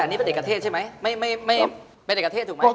แต่อันนี้เป็นเด็กกระเทศใช่ไหมไม่เป็นเด็กกระเทศถูกไหม